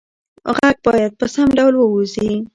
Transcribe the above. غږ باید په سم ډول ووځي.